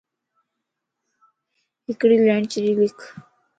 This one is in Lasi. ھڪڙي ليڻ ڇڏي لکَ